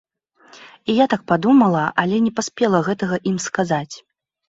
І я так падумала, але не паспела гэтага ім сказаць.